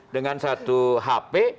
dengan satu hp